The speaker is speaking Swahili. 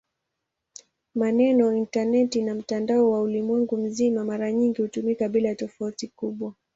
Maneno "intaneti" na "mtandao wa ulimwengu mzima" mara nyingi hutumika bila tofauti kubwa.